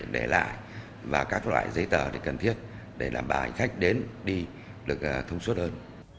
để lại và các loại giấy tờ cần thiết để đảm bảo hành khách đến đi được thông suốt hơn